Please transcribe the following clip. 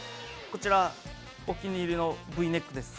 こちら、お気に入りのＶネックです。